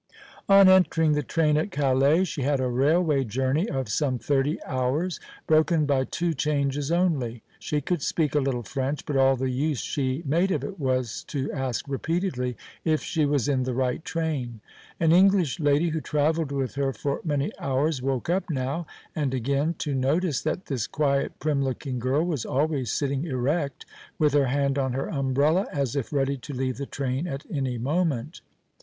On entering the train at Calais she had a railway journey of some thirty hours, broken by two changes only. She could speak a little French, but all the use she made of it was to ask repeatedly if she was in the right train. An English lady who travelled with her for many hours woke up now and again to notice that this quiet, prim looking girl was always sitting erect, with her hand on her umbrella, as if ready to leave the train at any moment.